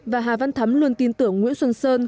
và hà văn thắm luôn tin tưởng nguyễn xuân sơn